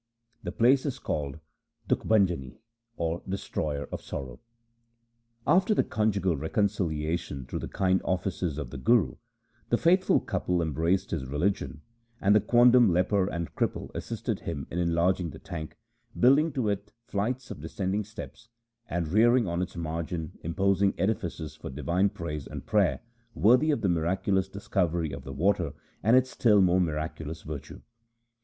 The place is called the Dukhbhanjani, or destroyer of sorrow. After the conjugal reconciliation through the kind offices of the Guru, the faithful couple embraced his religion, and the quondam leper and cripple assisted him in enlarging the tank, building to it flights of descending steps, and rearing on its margin imposing edifices for divine praise and prayer, worthy of the miraculous discovery of the water and its still more miraculous virtue.